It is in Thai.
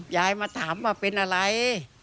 ยายมาถามว่าเป็นอะไร